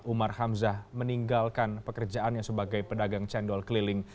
umar hamzah meninggalkan pekerjaannya sebagai pedagang cendol keliling